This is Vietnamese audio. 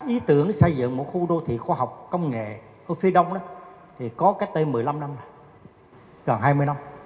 ý tưởng xây dựng một khu đô thị khoa học công nghệ ở phía đông thì có cách đây một mươi năm năm gần hai mươi năm